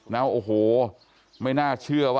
นะโอ้โหไม่น่าเชื่อว่า